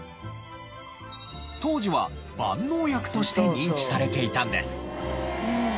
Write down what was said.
当時は万能薬として認知されていたんです。